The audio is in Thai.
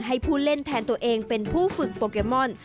ให้ผู้เล่นแทนตัวเองเป็นผู้ฝึกโปเกมอน